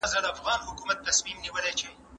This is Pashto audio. که ټولنیز عدالت تامین سي هېواد به پرمختګ وکړي.